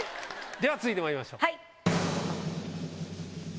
では続いてまいりましょう。